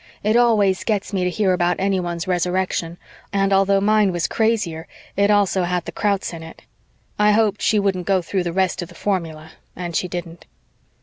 It always gets me to hear about anyone's Resurrection, and although mine was crazier, it also had the Krauts in it. I hoped she wouldn't go through the rest of the formula and she didn't.